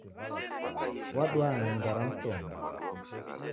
Waduwa na nyumba ra msongi.